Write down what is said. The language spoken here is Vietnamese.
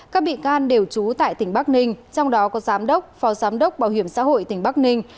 các bị can đều trú tại tỉnh bắc ninh trong đó có giám đốc phó giám đốc bảo hiểm xã hội tỉnh bắc ninh